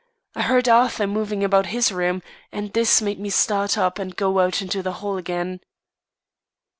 I heard Arthur moving about his room, and this made me start up and go out into the hall again."